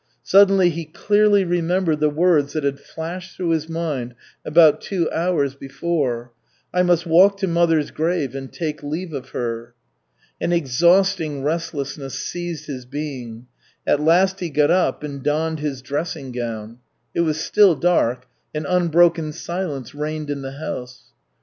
Suddenly he clearly remembered the words that had flashed through his mind about two hours before, "I must walk to mother's grave and take leave of her." An exhausting restlessness seized his being. At last he got up and donned his dressing gown. It was still dark, and unbroken silence reigned in the house.